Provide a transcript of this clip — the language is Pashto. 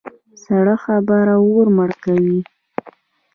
سړه خبره اور مړه کوي.